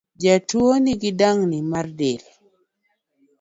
Jatuo nigi dang’ni mar del